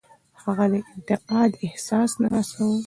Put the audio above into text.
هغه د انتقام احساس نه هڅاوه.